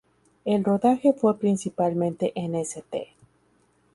El rodaje fue principalmente en St.